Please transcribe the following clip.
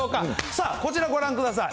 さあ、こちらご覧ください。